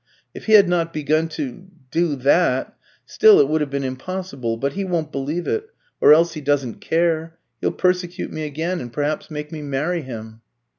If he had not begun to do that, still it would have been impossible. But he won't believe it, or else he doesn't care. He'll persecute me again, and perhaps make me marry him."